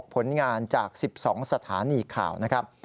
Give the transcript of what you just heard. ผลงานจาก๑๒สถานีข่าวนะครับ